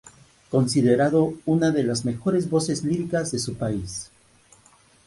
Considerado una de las mejores voces líricas de su país.